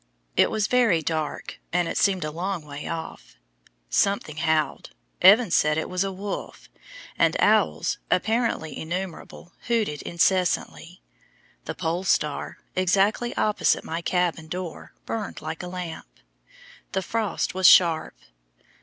It was very dark, and it seemed a long way off. Something howled Evans said it was a wolf and owls apparently innumerable hooted incessantly. The pole star, exactly opposite my cabin door, burned like a lamp. The frost was sharp.